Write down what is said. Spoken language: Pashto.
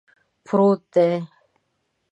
پروت دی